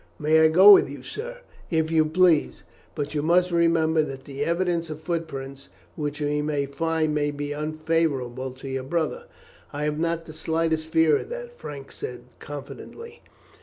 "May I go with you, sir?" "If you please. But you must remember that the evidence of footprints which we may find may be unfavourable to your brother." "I have not the slightest fear of that," Frank said confidently.